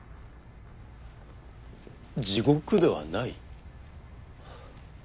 地獄ではない？